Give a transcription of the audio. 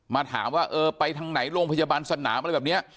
มาถามว่าเออไปทางไหนโรงพยาบาลสนามอะไรแบบนี้